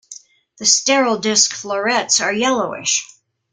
The sterile disc florets are yellowish.